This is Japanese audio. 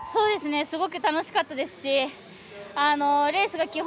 すごく楽しかったですしレースが基本